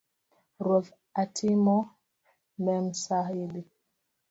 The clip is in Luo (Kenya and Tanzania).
ruoth; atimo Memsahib